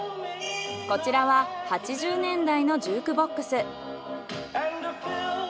こちらは８０年代のジュークボックス。